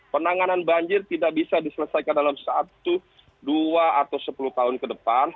penanganan banjir tidak bisa diselesaikan dalam satu dua atau sepuluh tahun ke depan